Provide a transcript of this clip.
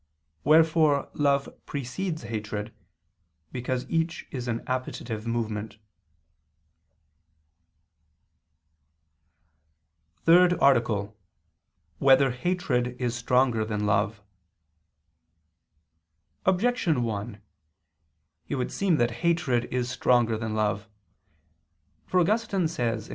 Wherefore love precedes hatred: because each is an appetitive movement. ________________________ THIRD ARTICLE [I II, Q. 29, Art. 3] Whether Hatred Is Stronger Than Love? Objection 1: It would seem that hatred is stronger than love. For Augustine says (QQ.